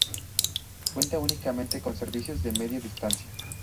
Cuenta únicamente con servicios de Media Distancia.